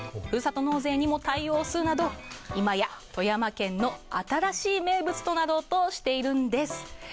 ふるさと納税にも対応するなど富山県の新しい名物となろうとしているんです。